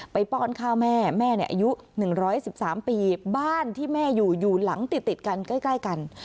ป้อนข้าวแม่แม่อายุ๑๑๓ปีบ้านที่แม่อยู่อยู่หลังติดกันใกล้กัน